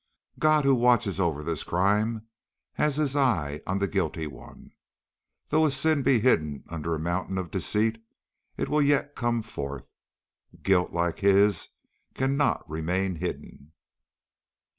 God who watches over this crime has His eye on the guilty one. Though his sin be hidden under a mountain of deceit, it will yet come forth. Guilt like his cannot remain hidden."